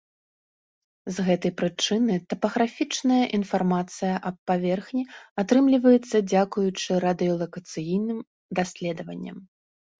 З гэтай прычыны тапаграфічная інфармацыя аб паверхні атрымліваецца дзякуючы радыёлакацыйным даследаванням.